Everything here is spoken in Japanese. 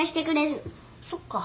そっか。